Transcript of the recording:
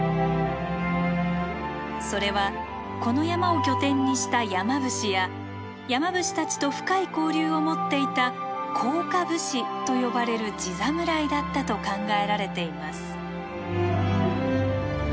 それはこの山を拠点にした山伏や山伏たちと深い交流を持っていた「甲賀武士」と呼ばれる地侍だったと考えられています。